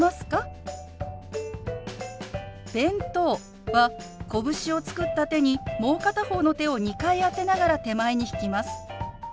「弁当」はこぶしを作った手にもう片方の手を２回当てながら手前に引きます。